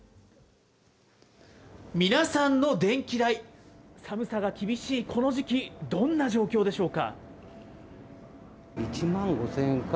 皆さんの電気代、寒さが厳しいこの時期、どんな状況でしょうか。